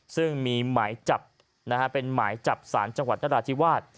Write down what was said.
ซึ่งมีหมายจับนะฮะเป็นหมายจับสารจังหวัดนราธิวาส